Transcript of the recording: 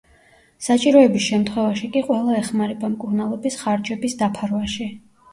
საჭიროების შემთხვევაში კი ყველა ეხმარება მკურნალობის ხარჯების დაფარვაში.